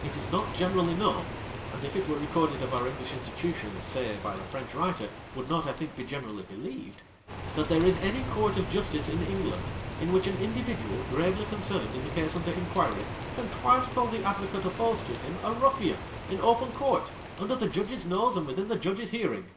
It is not genei ally known, and if it were recorded of our English Institutions, say by a .French writer, would not, I think, be gene rally believed ; that there is any court of justice in England, in which an individual gravely concerned in the case under inquiry, can twice call the advocate opposed to him, a Ruffian, in open court, under the judge's nose and within the judge's hearing.